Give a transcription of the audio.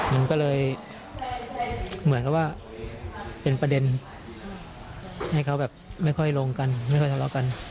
มันก็เลยเหมือนกับว่าเป็นประเด็นให้เขาแบบไม่ค่อยลงกันไม่ค่อยทะเลาะกัน